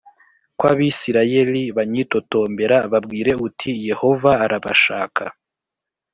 kw Abisirayeli banyitotombera Babwire uti Yehova arabashaka